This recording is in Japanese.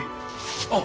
あっ。